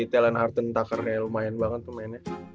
talonhart tucker nya lumayan banget pemainnya